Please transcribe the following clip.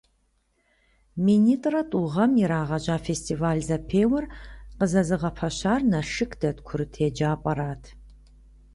Минитӏрэ тӏу гъэм ирагъэжьа фестиваль-зэпеуэр къызэзыгъэпэщар Налшык дэт курыт еджапӏэрат.